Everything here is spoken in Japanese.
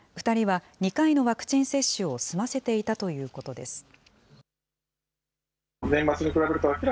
２人は２回のワクチン接種を済ませていたということです。